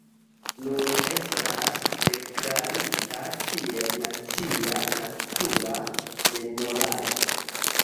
Nun estas deklarita kiel nacia natura memoraĵo.